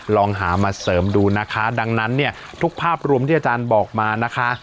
ลองหามาเสริมดูนะคะดังนั้นเนี่ยทุกภาพรวมที่อาจารย์บอกมานะคะ